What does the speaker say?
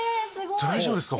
大丈夫ですか？